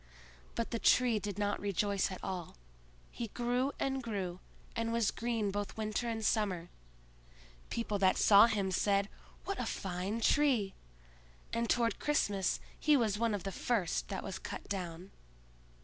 But the Tree did not rejoice at all; he grew and grew, and was green both winter and summer. People that saw him said, "What a fine tree!" and toward Christmas he was one of the first that was cut down.